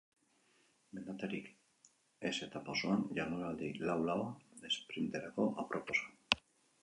Mendaterik ez etapa osoan, jardunaldi lau-laua esprinterako aproposa.